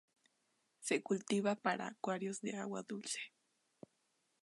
Se cultiva para acuarios de agua dulce.